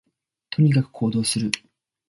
とにかく行動する